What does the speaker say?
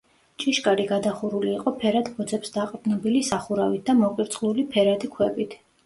ჭიშკარი გადახურული იყო ფერად ბოძებს დაყრდნობილი სახურავით და მოკირწყლული ფერადი ქვებით.